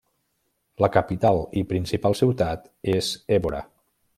La capital i principal ciutat és Évora.